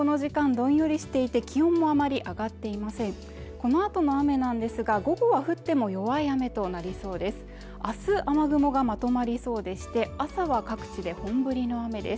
このあとの雨なんですが午後は降っても弱い雨となりそうです